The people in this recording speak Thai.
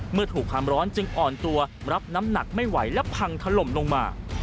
เมื่อถูกความร้อนจึงอ่อนตัวรับน้ำหนักไม่ไหวและพังถล่มลงมา